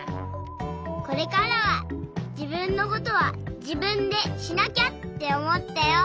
これからはじぶんのことはじぶんでしなきゃっておもったよ。